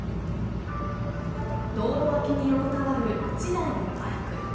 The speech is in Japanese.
道路脇に横たわる１台のバイク。